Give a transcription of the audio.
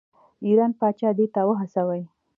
ایران پاچا دې ته وهڅوي.